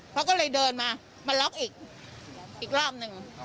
เขาก็เลยเดินมามาล็อกอีกรอบหนึ่ง